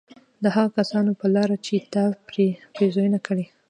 د هغو كسانو په لار چي تا پرې پېرزوينه كړې